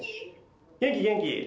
元気元気！